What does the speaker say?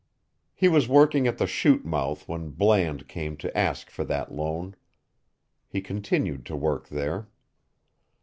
He was working at the chute mouth when Bland came to ask for that loan. He continued to work there.